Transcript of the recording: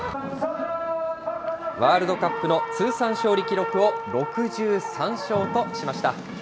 ワールドカップの通算勝利記録を６３勝としました。